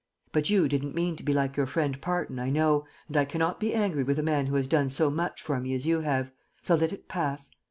But you didn't mean to be like your friend Parton, I know, and I cannot be angry with a man who has done so much for me as you have so let it pass.